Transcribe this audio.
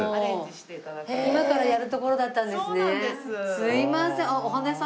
すいません。